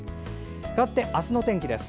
かわって明日の天気です。